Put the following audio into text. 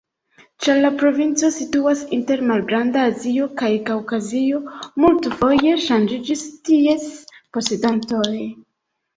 Ĉar la provinco situas inter Malgranda Azio kaj Kaŭkazio, multfoje ŝanĝiĝis ties posedantoj.